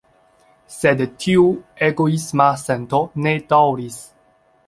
Sed tiu egoisma sento ne daŭris.